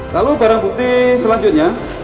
lalu barang bukti selanjutnya